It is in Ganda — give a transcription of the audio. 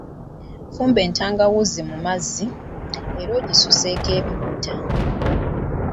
Fumba entangawuzi mu mazzi, era ogisuseeko ebikuta.